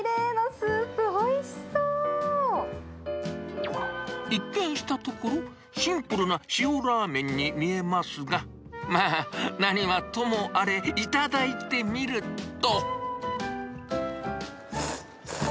きれいなスープ、おいしそ一見したところ、シンプルな塩ラーメンに見えますが、まあ、何はともあれ、頂いてみると。